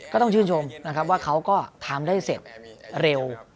ก็ต้องชื่นชมนะครับว่าเขาก็ทำได้เสร็จเร็ว